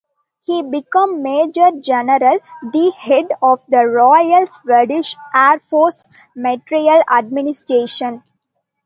He became major general (the head) of the Royal Swedish Air Force Materiel Administration.